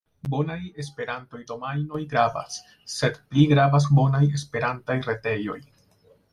Bonaj Esperanto-domajnoj gravas, sed pli gravas bonaj Esperantaj retejoj.